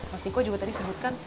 mas diko juga tadi sebutkan